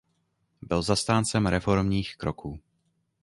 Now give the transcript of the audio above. Byl zastáncem reformních kroků.